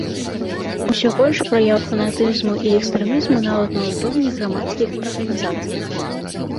Усё больш праяў фанатызму і экстрэмізму нават на ўзроўні грамадскіх арганізацый.